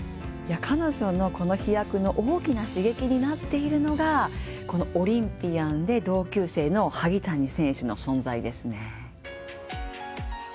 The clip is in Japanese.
彼女のこの飛躍の大きな刺激になっているのがこのオリンピアンで同級生の萩谷選手の存在ですね。